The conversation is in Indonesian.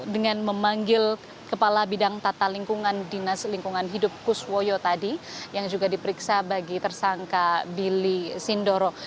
dan memanggil kepala bidang tata lingkungan dinas lingkungan hidup kuswoyo tadi yang juga diperiksa bagi tersangka bili sindoro